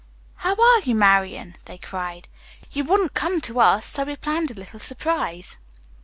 "How are you, Marian?" they cried. "You wouldn't come to us, so we planned a little surprise."